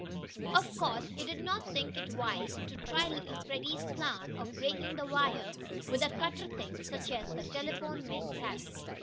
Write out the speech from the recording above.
Of course he did not think it wise to try little Freddie's plan of breaking the wire with a "cutter thing" such as the telephone men carried.